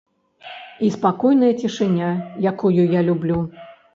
І спакойная цішыня, якую я люблю.